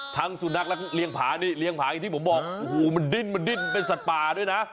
ทั้งสุนัขและเหลียงผาที่ผมบอกมันดิ้นเป็นสัตว์ป่าด้วยนะ